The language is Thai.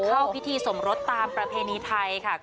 เข้าพิธีสมรสตามประเพณีไทยค่ะ